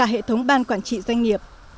hệ thống ban quản trị doanh nghiệp